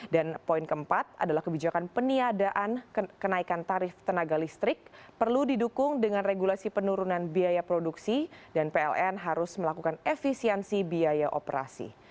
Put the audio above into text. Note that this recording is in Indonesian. dan poin keempat adalah kebijakan peniadaan kenaikan tarif tenaga listrik perlu didukung dengan regulasi penurunan biaya produksi dan pln harus melakukan efisiensi biaya operasi